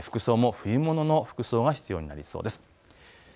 服装も冬物の服装が必要になりそうです。